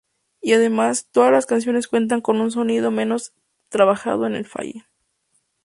Y además, todas las canciones cuentan con un sonido menos trabajado que en Fallen.